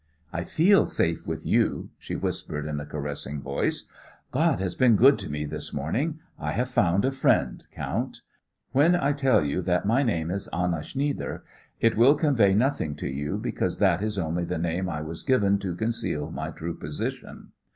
"I feel safe with you," she whispered in a caressing voice. "God has been good to me this morning. I have found a friend, count. When I tell you that my name is Anna Schnieder it will convey nothing to you, because that is only the name I was given to conceal my true position.